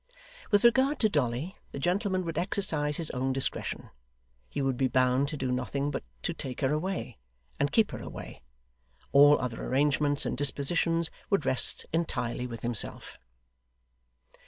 With regard to Dolly, the gentleman would exercise his own discretion. He would be bound to do nothing but to take her away, and keep her away. All other arrangements and dispositions would rest entirely with himself.